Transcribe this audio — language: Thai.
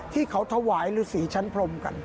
ที่เขาถวายฤษีชั้นพรมกัน